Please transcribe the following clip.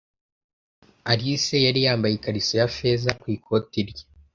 Alice yari yambaye ikariso ya feza ku ikoti rye.